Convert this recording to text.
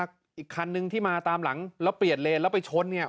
อีกคันนึงที่มาตามหลังแล้วเปลี่ยนเลนแล้วไปชนเนี่ย